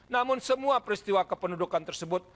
namun semua peristiwa kependudukan tersebut